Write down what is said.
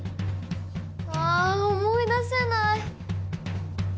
あ思い出せない！